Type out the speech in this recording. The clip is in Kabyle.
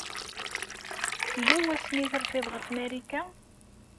Yella wasmi ay terfiḍ ɣef Marika?